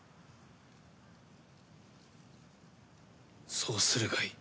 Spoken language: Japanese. そうするがいい。